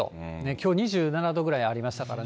きょう２７度ぐらいありましたからね。